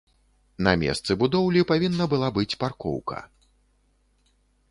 На месцы будоўлі павінна была быць паркоўка.